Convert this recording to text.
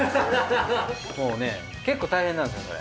もうね結構大変なんですよそれ。